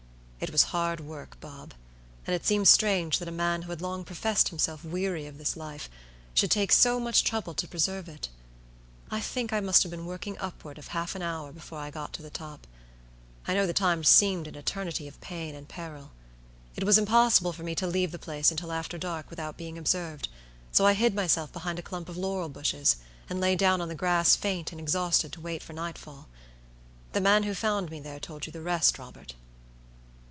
It was hard work, Bob, and it seems strange that a man who had long professed himself weary of his life, should take so much trouble to preserve it. I think I must have been working upward of half an hour before I got to the top; I know the time seemed an eternity of pain and peril. It was impossible for me to leave the place until after dark without being observed, so I hid myself behind a clump of laurel bushes, and lay down on the grass faint and exhausted to wait for nightfall. The man who found me there told you the rest. Robert."